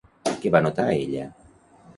Què va notar ella?